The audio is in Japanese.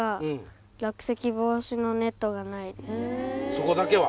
そこだけは。